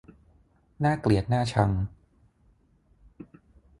น่าเกลียดน่าชัง